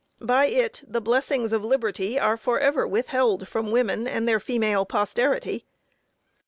By it, the blessings of liberty are forever withheld from women and their female posterity.